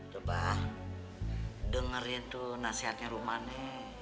coba dengerin tuh nasihatnya rumane